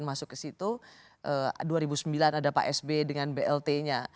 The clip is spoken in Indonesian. masuk ke situ dua ribu sembilan ada pak sb dengan blt nya